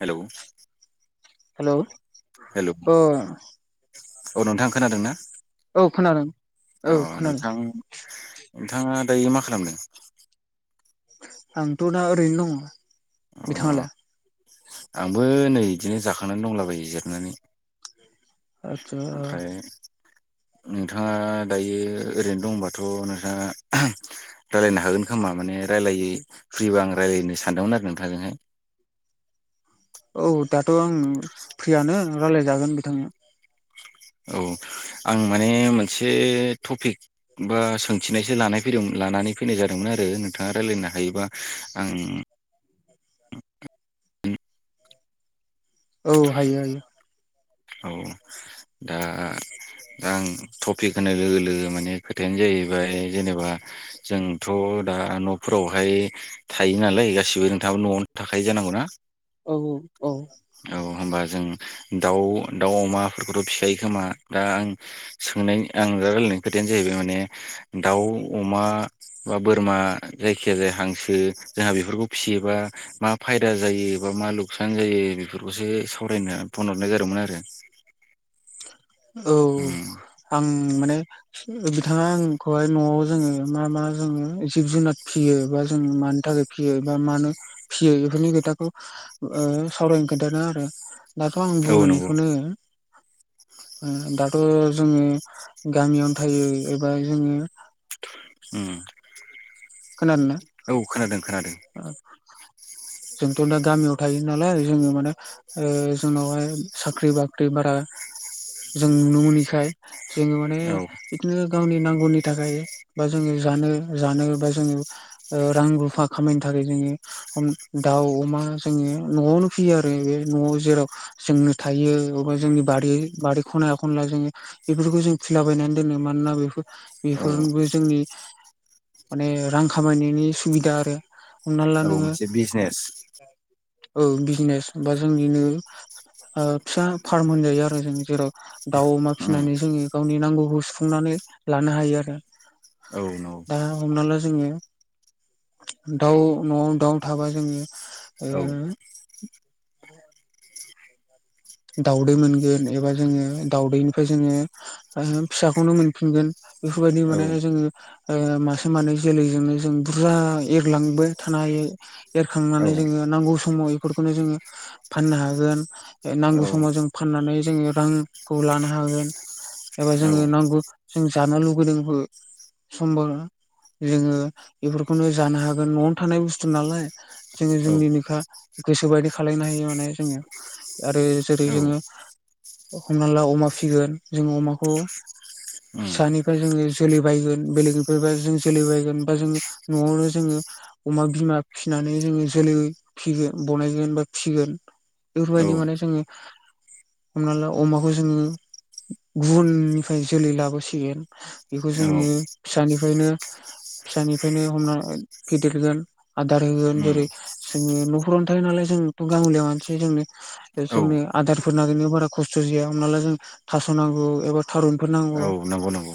Hello. Hello hello ओ। औ नोंथां खोनादों ना? औ खोनादों औ अ नोंथां खोनादों। नोंथाङा दायो मा खालामदों? आंथ' दा ओरैनो दङ अ बिथाङालाय? आंबो नै बिदिनो जाखांनानै दंलाबायो जिरनानै। आतसा। ओमफ्राय नोंथाङा दायो ओरैनो दंबाथ' नोंथाङा ओहम रायलायनो हागोन खोमा माने राययै फ्रिबा आं रायलायनो सानदोंमोन आरो नोंथांजोंहाय। [inaudible] औ दाथ' आं फ्रियानो रायलायजागोन बिथांनो। औ। आं माने मोनसे टपिक बा सोंथिनायसो लानाय फैदों लानानै फैनाय जादोंमोन। आरो नोंथाङा रायलायनो हायोबा आं औ हायो हायो। औ दा आं टपिक होनाय लोगो लोगो माने खोथायानो जाहैबाय जेनेबा जोंथ' दा न'फोरावहाय थायो नालाय गासिबो नोंथाङो न'आवनो थाखायो जानांगौना? औ औ औ। औ होमबा जों दाउ दाउ अमाफोरखौथ' फिखायो खोमा दा आं सोंनाय आं दा रायलायनायनि खोथायानो जाहैबाय माने दाउ अमा बा बोरमा जायखिया जाय हांसो जोंहा बेफोरखौ फिसियोब बा मा फायदा जायो बा मा लुकसान जायो बेफोरखौसो सावरायनो फन हरनाय जादोंमोन आरो। [inaudible] औ उम आं माने बिथाङा आंखौहाय न'आव जों मा मा जों जिब जुनार फियो बा जों मानि थाखाय फियो बा मानो फियो फोरनि खोथाखौ ओ सावरायनो खोन्थादो आरो। दाथ' आं औ बुङो नंगौ इखौनो ओ दाथ' जोङो गामियावनो थायो एबा जोङो उम खोनादोंना औ खोनादों खोनादों। ओ [inaudible] जोंथ' दा गामियाव थायो नालाय जोङो माने ओ जोंनावहाय साख्रि बाख्रि बारा जों नुनो मोनैखाय जोङो माने औ बिदिनो गावनि नांगौनि थाखाय बा जोङो जानो जानो बा जोङो ओ रां रुफा‌ खामायनो थाखाय जोङो हम दाउ अमा जोङो न'आवनो फियो आरो बे न'आव जेराव जोंनो थायो अबबा जोंनि बारि बारि खना खनला जोङो बेफोरखौ जों फिलाबायनानै दोनो मा मानोना बेफोर औ बेफोरबो जोंनि माने रां खामायनायनि सुबिदा आरो हमना ला औ नोङो मोनसे बिजनेस औ बिजनेस बा जोंनिनो ओ फिसा फार्म होनजायो आरो जों जेराव दाउ अमा उम फिसिनानै जोङो गावनि नांगौखौ सुफुंनानै लानो हायो आरो औ नंगौ। दा हमना ला जोङो दाउ न'आव दाउ थाबा जोङो ओ औ दाउदै मोनगोन एबा जोङो दाउदैनिफ्राय जोङो फिसाखौनो मोनफिनगोन। बेफोरबायदि औ माने जोङो ओ मासे मानै जोलैजोंनो जों बुरजा एरलांबो थानो हायो। औ एरखांनानै जोङो नांगौ समाव इफोरखौनो जोङो फाननो हागोन। नांगौ समाव जों फाननानै जोङो रांखौ लानो हागोन। एबा औ जोङो उम नांगौ जों जानो लुगैदोंबो समबा जोङो बेफोरखौनो जानो हागोन न'आवनो थानाय बुस्थु नालाय जोङो औ जोंनिनोखा गोसो बायदि खालायनो हायो माने [inaudible] ओ जेरै औ जोङो हमना ला अमा फिगोन जों अमाखौ फिसानिफ्राय जोङो जोलोब बायगोन बेलेगनिफ्रायबा जों जोलै बायगोन बा जों न'आवनो जोङो अमा बिमा फिसिनानै जोङो जोलै फिगोन बनायगोन बा फिगोन। बेफोरबायदि माने जोङो हमना ला अमाखौ जोङो गुबुननिफ्राय जोलै लाबोसिगोन। बेखौ जोंङो फिसानिफ्रायनो फिसानिफ्रायनो हमना फेदेरगोन। आदार होगोन उम जेरै जोङो न'फ्रावनो थायो नालाय जोंथ' गाह'लिया मानसि जोंनो औ जोंनो आदारफोर नागिरनो बारा खस्थ' जाया हमना ला जों थास' नांगौ एबा थारुनफोर नांगौ औ नंगौ नंगौ।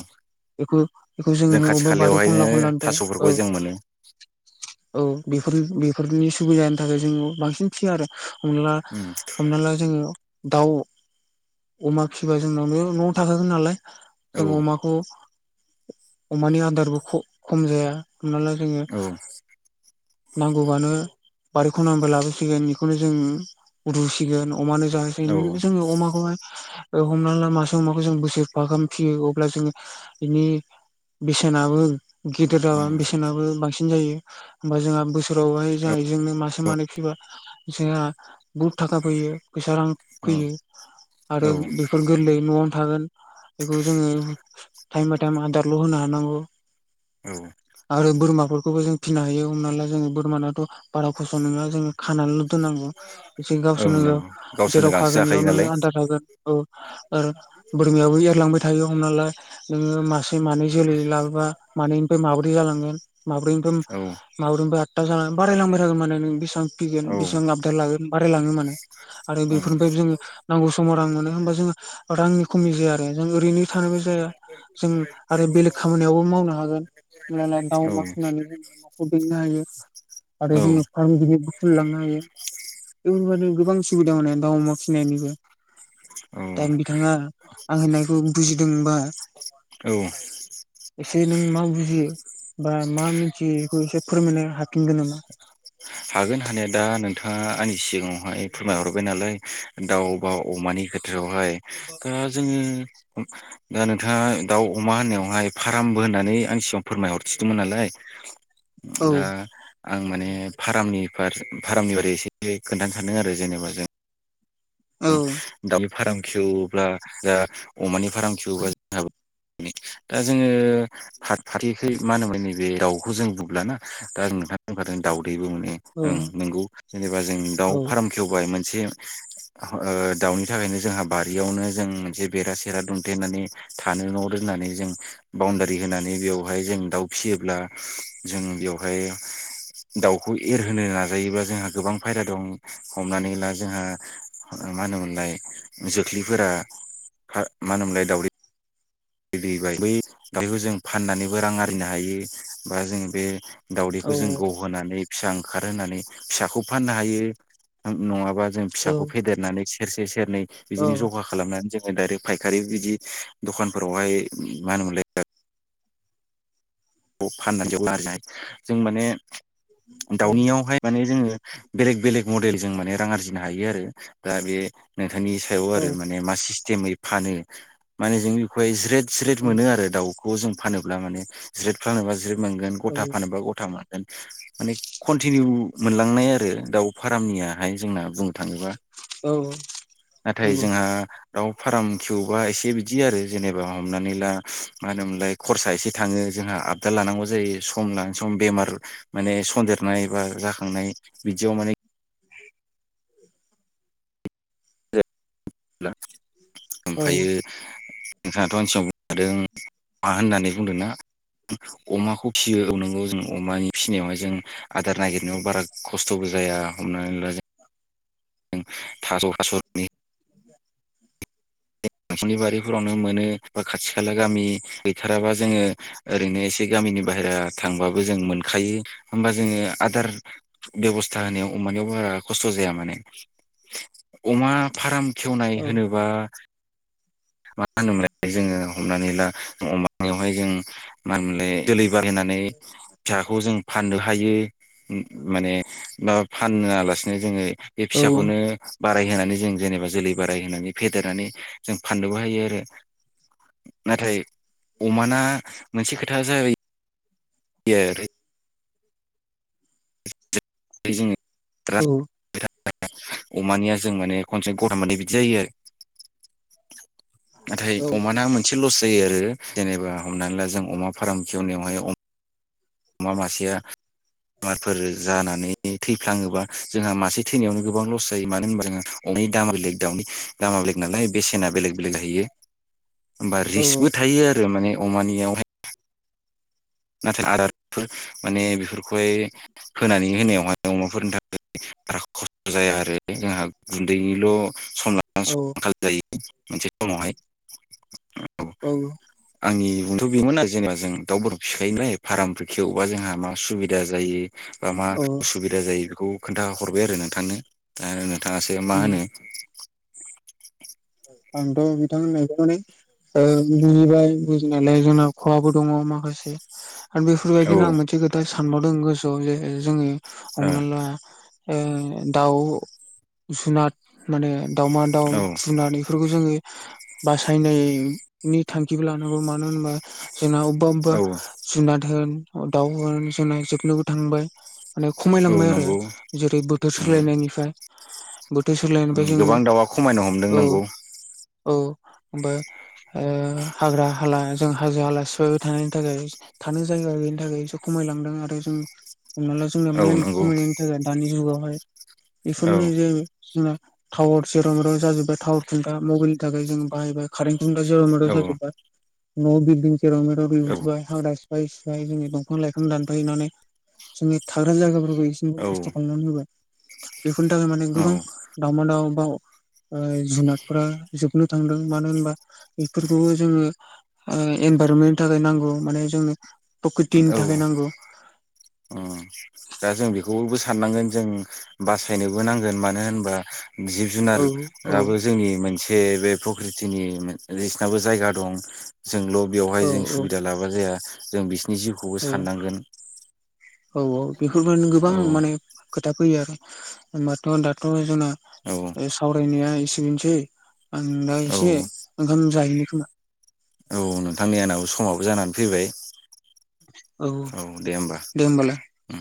बेखौ बेखौ जों जोङो खाथि अबेबा बारि खालायावहायनो खनला खनलानिफ्राय औ थास'फोरखौ जों मोनो। औ बेफोर बेफोरनि सुबिदानि थाखाय जोङो बांसिन फियो आरो हमनाला उम ला जोङो दाउ अमा फिबा जोंनावनो न'आव थाखागोन नालाय औ जों अमाखौ अमानि आदारबो ख-खम जाया। हमना ला जोङो औ उम नांगौबानो बारि खनानिफ्राय लाबोसिगोन। बेखौनो जों रुसिगोन अमानो औ जाहोसिगोन जोङो अमाखौहाय हमना ला मासे माखौ जों बोसोरफा बाागाम फियो अब्ला जोङो बेनि बेसेनाबो गेदेर जागोन उम बेसेनाबो बांसिन सिन जायो होमबा जोंहा बोसोरावहाय जोहा इजोंनो मासे मानै फिबा जोंहा बुहुद थाखा फैयो फैसा रां फैयो। आरो औ बेफोर गोरलै न'आवनो थागोन बेखौ जोङो टाइमबाद आदारल होनो हानांगौ आरो बोरमाफोरखौबो जों फिनो हायो हमना ला जोङो बोरमानाथ बारा खस्थ नङा जोङो खानानैल दोननांगौ। एसे ओं गावसोरनो गाव नंगौ गावसोरनो जेराव गांसो खागोन जाखायो बेयावनो नालाय आदार जागोन औ। आरो बोरमायाबो एरलांबाय थायो हमना ला ओ मासे मानै जोलै लाबोबा मानैनिफ्राय माब्रै जालांगोन। माब्रैनिफ्राय औ माब्रैनिफ्राय आदथा जानानै बारायलांबाय थागोन माने नों बेसेबां फिगोन औ उम बेसेबां आददा लागोन। बाराय लाङो माने। आरो बेफोरनिफ्राय औ जोङो नांगौ समाव रां मोनो होनबा जोङो रांनि खमि जाया आरो जों ओरैनो थानानैबो ओ जों आरो बेलेग खामानियावबो मावनो हागोन। हमना दा दाउ अमा फिनानै जों नखौ बेंनो हायो आरो जोङो औ फार्म गिदिर खुलिलांनो हायो। बेफोरबादि गोबां सुबिदा माने दाउ अमा फिनायनिबो। दा बिथाङा आं होननायखौ बुजिदोंबा औ ‌ एसे नों मा बुजियो बा मा मिथियो बेखौ एसे फोरमायनो हाफिनगोन नामा? हागोन हानाया दा नोंथाङा आंनि सिगाङावहाय फोरमायहरबाय नालाय दाउ बा अमानि खोथायावहाय दा जों दा नोंथाङा दाउ अमा होननायावहाय फार्मबो होननानै आंनि सिगाङाव फोरमायहरथिदोंमोन नालाय औ दा आं माने नि फार फार्मनि बारै एसे खोन्थानो सानदों आरो जेनेबा जों औ दाउनि फार्म खेवब्ला जा अमानि फार्म खेवोबा जोंहाबो दा जोङो [unintelligible] मा होनोमोन नैबे दावखौ जों बुुब्लाना दा नोंथाङा बुंखादों दाव बेबो माने औ ओं नंगौ जेनेबा जों दाउ औ फार्म खेवबाय मोनसे ओ दाउनि थाखायनो जोंहा बारियावनो जों मोनसे बेरा सेरा दुमथेनानै थानो न' लुना माने जों बाउनडारि होनानै बेयावहाय जों दाउ फिसियोब्ला जों बेयावहाय दाउखौ एरहोनो नाजायोब्ला जोंहा गोबां फायदा दं हमनानै ला जोंहा मा होनोमोनलाय जोख्लिफोरा मा होनोमोनलाय दावदै दैबाय बै दावदैखौ जों फाननानैबो रां आरजिनो हायो बा जों बे दाउदैखौ जों आंथ' गहोनानै फिसा ओंखारहोनानै फिसाखौ फाननो हायो नङाबा जों फिसाखौ फेदेरनानै सेरसे सेरनै बिदिनो जखा खालामनानै जों दायरेक फायखारि बिदि दखानफोरावहाय मा होनोमोनलाय फाननानै [unintelligible] जों माने दाउनियावहाय माने जोङो बेलेग बेलेग मडेल जों माने रां आरजिनो हायो आरो दा बे नोंथांनि सायाव आरो माने मा सिस्टेमै फानो माने जों बेखौहाय ज्रेद ज्रेद मोनो आरो दाउखौ जों फानोब्ला माने ज्रेद फानोबा ज्रेद मोनगोन गथा फानोब्ला गथा मोन गोन माने कन्टिनिउ मोनलांनाय आरो दाउ फार्मनियाहाय जोंना बुंनो थाङोबा। नाथाय जोंहा दाउ फार्म खेवबा एसे बिदि आरो जेनेबा हमनानै ला मा होनोमोनलाय खरसा एसे थाङो जोंहा आबदार लानांगौ जायो सम लानाय सम बेमार माने सन्देरनाय बा जाखांनाय बि दियाव माने [unintelligible] ओमफ्रायो नोंथाङाथ' आंनि सिगाङाव बुंखादों मा होननानै बुंदों ना अमाखौ फिसियो औ नोंगौ जों अमानि फिसिनायावहाय जों आदार नागिरनायाव बारा खस्थबो जाया हमनानै ला जों थास' थासनि न'नि बारिफोरावनो मोनो बा खाथि खाला गामि गैथाराबा जोङो ओरैनो एसे गामि नि बाहेरा थांबाबो जों मोनखायो होनबा जोङो आदार बेबसथा होनायाव अमानियाव बारा खस्थ' जाया माने अमा फार्म खेवनाय होनोबा मा होनोमोनलाय जोङो हमनानै ला अमायावहाय जों मा होनोमोनलाय जोलै बारायहोनानै फिसाखौ जों फाननो हायो माने बा फानोआलासिनो जोङो बे फिसाखौनो बाराय होनोनानै जों जेनेबा जोलै बाराय होनोनानै फेदेरनानै जों फाननोबो हायो आरो। नाथाय अमाना मोनसे खोथा जायो यो आरो जोङो औ ‌। अमानिया जों माने खनसे गथा मोननाय बिदि जायो आरो। नाथाय अमाना मोनसे लस जायो आरो जेनेबा हमनानै ला जों अमा फार्म खेवनायावहाय अमा मासेया बेमारफोर जानानै थैफ्लाङोबा जोंहा मासे थैनायावनो गोबां लस जायो मानो होनबा जोंङो अ मानि दामा बेलेग दाउनि दामा बेलेग नालाय बेसेना बेलेग जाहोयो। होमबा रिस्कबो थायो आरो माने अमानियावहाय। नाथाय आदारफोर माने बेफोरखौहाय होनानै होनायावहाय अमाफोरनि थाखाय बारा खस्थ' जाया आरो जोंहा गुन्दैनिल' सम लानानै आंखाल जायो। मोनसे समावहाय औ। जोंथ' बेमोन आरो जेनेबा जों दाउफोरफोरखौ फिखायोनाय फार्मफोर खेवबा जोंहा मा सुबिदा जायो। बा मा उसुबिदा जायो बेखौ खोन्थ हरबाय आरो नोंथांनो दा थाङासो मा होनो? [inaudible] आंथ' बिथां होननायखौ माने ओ बुजिबाय बुजिनानै जोंना खहाबो दङ माखासे [inaudible] आरो औ बेफोरबायदिनो आं मोनसे खोथा सानबावदों गोसोआव जे जोंङो हमना ला ओ दाउ जुनाद माने दाउमा दाउ ओ जुनार नैफोरखौ जोङो बासायनायनि थांखिबो लानांगौ मानो होनबा जोंना अबेबा औ अबेबा जुनाद होन दाव होन जोंना जोबनोबो थांबाय माने औ खमायलांबाय आरो नंगौ जेरै बोथोर उम सोलायनायनिफ्राय बोथोर सोलायनायनिफ्राय जोङो गोबां दाउआ खमायनो हमदों औ नांगौ। औ। बो ओ हाग्रा हाला जों हाजो हाला सिफायबाय थानायनि थाखाय थानो जायगा गैयैनि थाखायसो खमायलांदों आरो जों हमना ला जोंना औ मेन नंगौ खमायनायनि थाखाय दानि जुगावहाय औ बेफोरनो जायो जों टावार जेराव मेराव जाजोबबाय टावार खिना मबाइलनि थाखाय जों बाहायबाय कारेन्ट औ औ [unintelligible] सिफाय सिफाय जोङो दंफां लाइफां दानफायनानै जोंनि थाग्रा जायगाफोरखौ इसेबो औ नस्थ' खालामनानै होबाय। बेफोरनि थाखाय माने औ गोबां दावमा दावउ बा ओ जुनादफोरा जोबनो थांदों मानो होनबा बेफोरखौबो जोङो ओ इनभाइरमेन्टनि थाखाय नांगौ माने जोंनो प्रकृतिनि औ थाखाय नांगौ अ दा जों बेखौबो साननांगोन। जों बासायनोबो नांगोन मानो होनोबा जिब औ औ जुनाराबो जोंनि मोनसे से बे प्रकृतिनि बिसिनाबो जायगा दं, जोंल' बेवहाय औ जों सुबिदा लाबा जाया जों बिसोरनि जिउखौबो औ साननांगोन। औ औ बेफोरबायनो गोबां औ माने खोथा फैयो आरो होनबाथ' दाथ' जोंना औ ओ सावरायनाया एसे बेनोसै आं दा औ एसे ओंखाम जाहैनो खोमा। औ नोंथां नै आंनाबो समाबो जानानै फैबाय। औ दे होमबा दे होमबालाय उम।